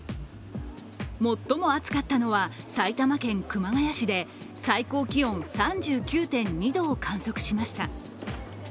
最も暑かったのは、埼玉県熊谷市で最高気温３９．２度を観測しました。